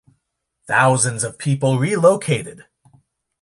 Thousands of people relocated.